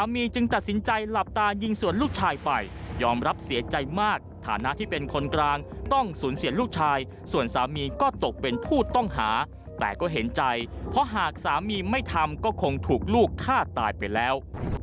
ไม่ทำก็คงถูกลูกฆ่าตายไปแล้ว